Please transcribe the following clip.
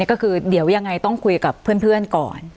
ก็คือเดี๋ยวยังไงต้องคุยกับเพื่อนก่อน